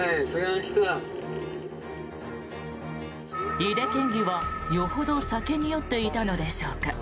井手県議はよほど酒に酔っていたのでしょうか。